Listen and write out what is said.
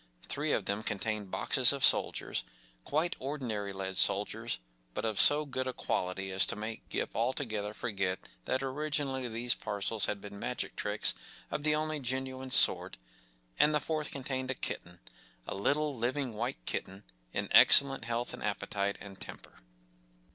Three of them contained boxes of soldiers, quite ordinary lead soldiers, but of so good a quality as to make Gip altogether forget that originally these parcels had been Magic Tricks of the only genuine sort, and the fourth contained a kitten, a little living white kitten, in excellent health and appetite and temper.